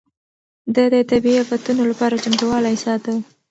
ده د طبيعي افتونو لپاره چمتووالی ساته.